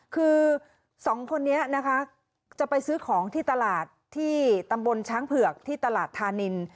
คือสองคนนี้นะคะจะไปซื้อของที่ตลาดที่ตำบลช้างเผือกที่ตลาดธานิน